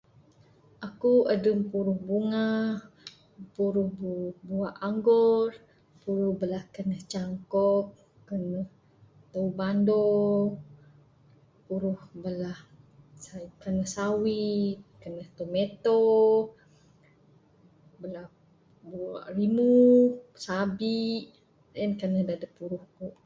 Aku adeh puruh bunga, bunga anggur puruh bala kaneh cangkok, kaneh dawe banung. Puruh bala kaneh sawi, kaneh tomato. Bala bua rimu, sabi en kaneh da adeh puruh ku